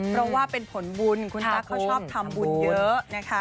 เพราะว่าเป็นผลบุญคุณตั๊กเขาชอบทำบุญเยอะนะคะ